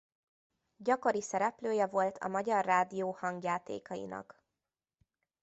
Gyakori szereplője volt a Magyar Rádió hangjátékainak.